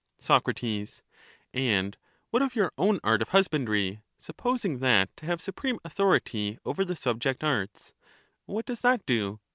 Soc, And what of your own art of husbandry, sup posing that to have supreme authority over the sub ject arts — what does that do?